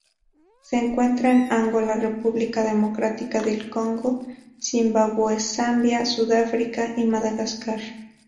Se encuentra en Angola República Democrática del Congo Zimbabue Zambia, Sudáfrica y Madagascar.